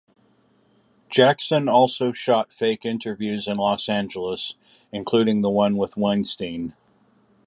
Jackson also shot fake interviews in Los Angeles, including the one with Weinstein.